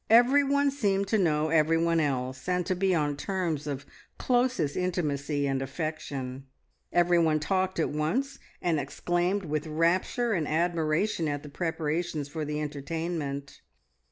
Everyone seemed to know everyone else, and to be on terms of closest intimacy and affection; everyone talked at once and exclaimed with rapture and admiration at the preparations for the entertainment.